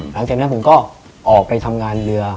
หลังจากนั้นผมก็ออกไปทำงานเรือ